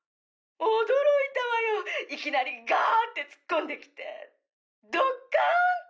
驚いたわよいきなりガーッて突っ込んできてドッカーンて！